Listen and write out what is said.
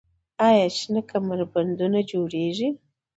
آیا شنه کمربندونه جوړیږي؟